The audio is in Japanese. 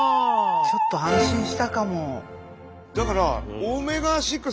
ちょっと安心したかも。